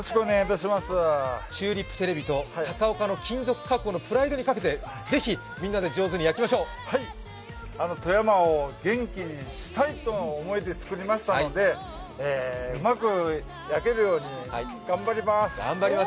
チューリップテレビと高岡の金属加工のプライドにかけて、ぜひ、みんなで上手に焼きましょう富山を元気にしたいとの思いで作りましたので、うまく焼けるように頑張りまーす。